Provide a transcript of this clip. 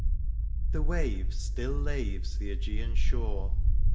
The wave still laves the iCgean shore.